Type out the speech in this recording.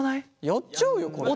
やっちゃうよこれ。